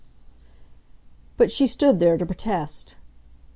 But she stood there to protest.